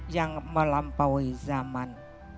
yang melampaui zaman